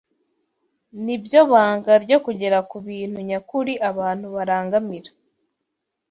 nibyo banga ryo kugera ku bintu nyakuri abantu barangamira